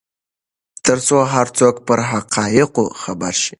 ترڅو هر څوک پر حقایقو خبر شي.